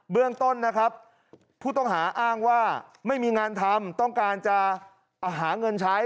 เรื่องต้นนะครับผู้ต้องหาอ้างว่าไม่มีงานทำต้องการจะหาเงินใช้